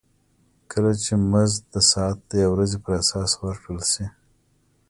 کله چې مزد د ساعت یا ورځې پر اساس ورکړل شي